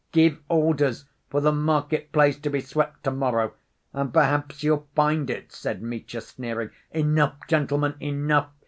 "Give orders for the market‐place to be swept to‐morrow, and perhaps you'll find it," said Mitya, sneering. "Enough, gentlemen, enough!"